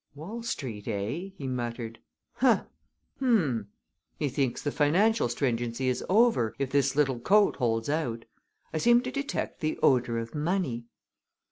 "Wall Street, eh?" he muttered. "Ha! Hum! Methinks the financial stringency is over if this little old coat holds out! I seem to detect the odor of money."